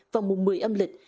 vào mùa một mươi âm lịch